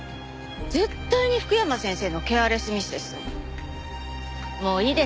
絶対に福山先生のケアレスミスです。